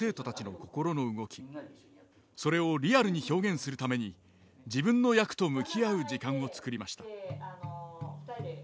それをリアルに表現するために自分の役と向き合う時間を作りました。